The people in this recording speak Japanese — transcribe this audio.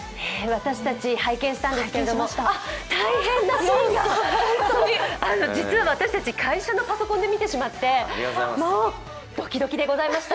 私たち拝見したんですけどあっ、大変なシーンがそう、実は私たち、会社のパソコンで見てしまってもうドキドキでございました。